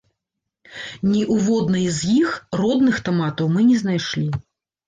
Ні ў воднай з іх родных таматаў мы не знайшлі.